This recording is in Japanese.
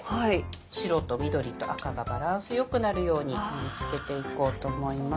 白と緑と赤がバランス良くなるように盛り付けていこうと思います。